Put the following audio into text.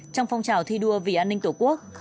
trong phong trào thi đua vì an ninh tổ quốc